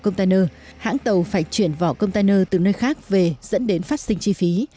gạch chuyển vỏ container từ nơi khác về dẫn đến phát sinh chi phí